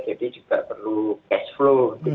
jadi juga perlu cash flow